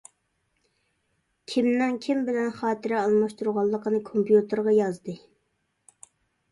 كىمنىڭ كىم بىلەن خاتىرە ئالماشتۇرغانلىقىنى كومپيۇتېرىغا يازدى.